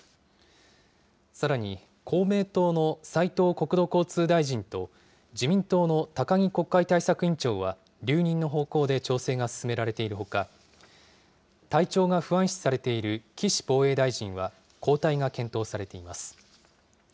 さらに、公明党の斉藤国土交通大臣と、自民党の高木国会対策委員長は留任の方向で調整が進められているほか、体調が不安視されている岸防衛大臣は交代が検討されています。